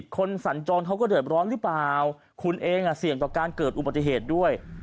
คนสัญจรเขาก็เดือดร้อนหรือเปล่าคุณเองเสี่ยงต่อการเกิดอุบัติเหตุด้วย